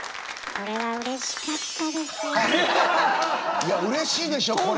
いやうれしいでしょこれ。